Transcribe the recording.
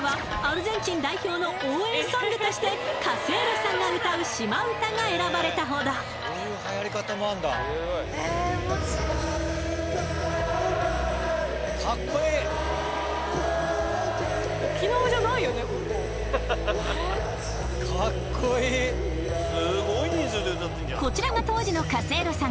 アルゼンチン代表の応援ソングとしてカセーロさんが歌う「島唄」が選ばれたほどこちらが当時のカセーロさん